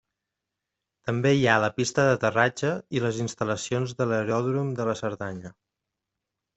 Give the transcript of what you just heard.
També hi ha la pista d’aterratge i les instal·lacions de l'aeròdrom de la Cerdanya.